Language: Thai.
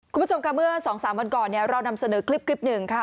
คุณผู้ชมค่ะเมื่อ๒๓วันก่อนเนี่ยเรานำเสนอคลิปหนึ่งค่ะ